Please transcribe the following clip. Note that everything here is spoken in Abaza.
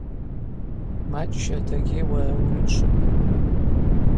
Мачӏ-щардагьи уара уымчвын.